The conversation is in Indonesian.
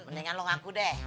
mendingan lo ngaku deh